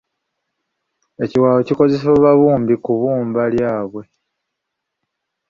Ekiwaawo kikozesebwa babumbi ku bbumba lyabwe.